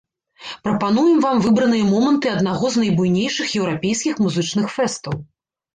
Прапануем вам выбраныя моманты аднаго з найбуйнейшых еўрапейскіх музычных фэстаў.